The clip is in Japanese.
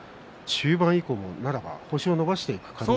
中盤以降星を伸ばしていく可能性も。